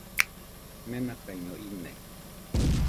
Menakaiño ine